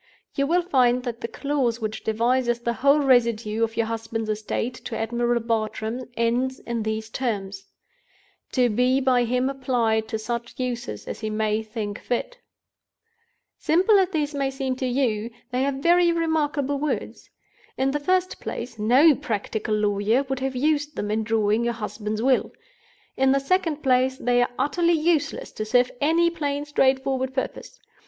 You will find that the clause which devises the whole residue of your husband's estate to Admiral Bartram ends in these terms: to be by him applied to such uses as he may think fit. "Simple as they may seem to you, these are very remarkable words. In the first place, no practical lawyer would have used them in drawing your husband's will. In the second place, they are utterly useless to serve any plain straightforward purpose.